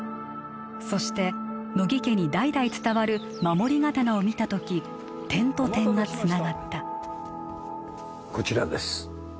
そして乃木家に代々伝わる守り刀を見たとき点と点がつながったこちらです